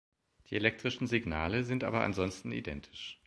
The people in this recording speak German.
Die elektrischen Signale sind aber ansonsten identisch.